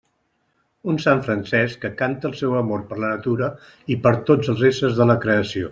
Un sant Francesc que canta el seu amor per la natura i per tots els éssers de la creació.